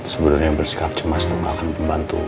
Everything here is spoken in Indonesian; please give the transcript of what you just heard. sebenarnya bersikap cemas itu gak akan membantu